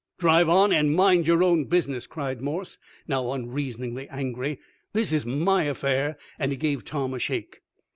"Drive on, and mind your business!" cried Morse, now unreasoningly angry. "This is my affair," and he gave Tom a shake.